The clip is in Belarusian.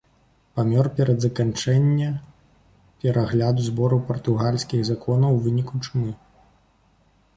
Памёр перад заканчэнне перагляду збору партугальскіх законаў у выніку чумы.